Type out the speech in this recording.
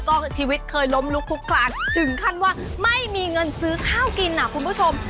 ก็ชีวิตเคยล้มลุกคุกคลานถึงขั้นว่าไม่มีเงินซื้อข้าวกินอ่ะคุณผู้ชม